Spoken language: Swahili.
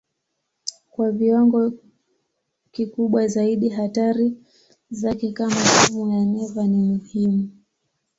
Kwa viwango kikubwa zaidi hatari zake kama sumu ya neva ni muhimu.